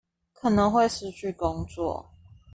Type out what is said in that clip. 可能會失去工作